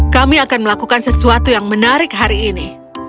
kami akan melakukan sesuatu yang menarik hari ini